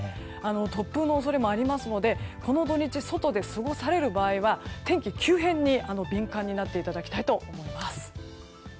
突風の恐れもありますのでこの土日、外で過ごされる場合は天気急変に敏感になっていただきたいと思います。